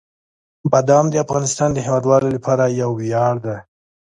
بادام د افغانستان د هیوادوالو لپاره یو ویاړ دی.